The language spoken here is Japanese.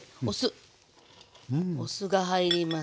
お酢が入ります。